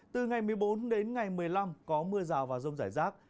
từ ngày một mươi bốn đến ngày một mươi năm có mưa rào và rông rải rác